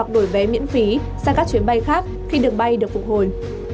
đổi vé miễn phí sang các chuyến bay khác khi đường bay được phục hồi